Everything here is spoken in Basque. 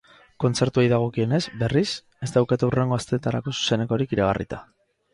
Kontzertuei dagokienez, berriz, ez daukate hurrengo asteetarako zuzenekorik iragarrita.